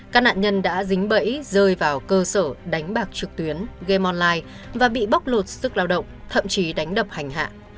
các nạn nhân đã dính bẫy rơi vào cơ sở đánh bạc trực tuyến game online và bị bóc lột sức lao động thậm chí đánh đập hành hạ